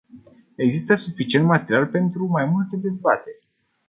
Există suficient material pentru mai multe dezbateri.